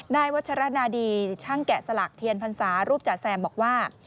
นายวัชรนาดีช่างแกะสลักเทียนพรรษารูปจ๋าแซมบอกว่า